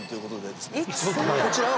こちらは。